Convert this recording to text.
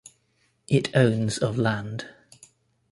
It owns of land.